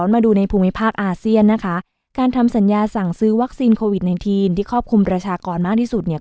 มาดูในภูมิภาคอาเซียนนะคะการทำสัญญาสั่งซื้อวัคซีนโควิดในทีนที่ครอบคลุมประชากรมากที่สุดเนี่ย